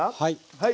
はい。